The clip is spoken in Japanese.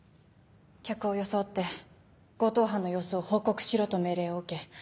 「客を装って強盗犯の様子を報告しろ」と命令を受け